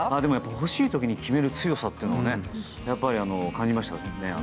欲しい時に決める強さというのは感じました。